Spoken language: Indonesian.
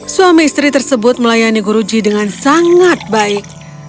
suami istri tersebut melayani guruji dengan sangat baik